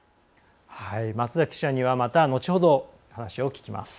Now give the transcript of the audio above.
松崎記者には、また後ほど話を聞きます。